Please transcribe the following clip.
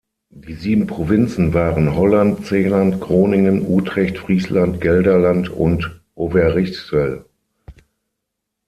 Die sieben Provinzen waren Holland, Zeeland, Groningen, Utrecht, Friesland, Gelderland und Overijssel.